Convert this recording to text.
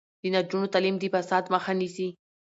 د نجونو تعلیم د فساد مخه نیسي.